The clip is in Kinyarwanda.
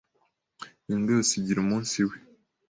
Imbwa yose igira umunsi we.